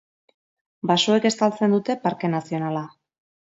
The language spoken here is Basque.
Basoek estaltzen dute Parke Nazionala.